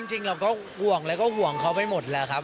จริงเราก็ห่วงแล้วก็ห่วงเขาไปหมดแล้วครับ